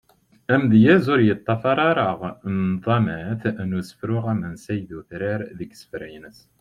Amedyaz ur yeṭṭafar ara nḍamat n usefru amensay d utrar deg isefra-nsen.